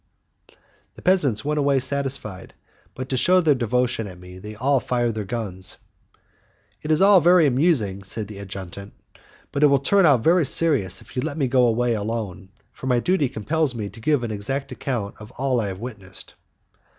The peasants went away satisfied, but, to shew their devotion to me, they all fired their guns. "It is all very amusing," said the adjutant, "but it will turn out very serious if you let me go away alone, for my duty compels me to give an exact account of all I have witnessed."